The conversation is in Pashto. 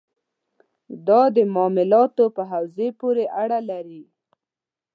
دا د معاملاتو په حوزې پورې اړه لري.